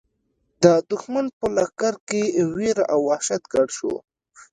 د دښمن په لښکر کې وېره او وحشت ګډ شو.